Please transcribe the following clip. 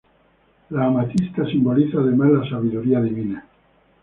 La amatista simboliza además la sabiduría divina.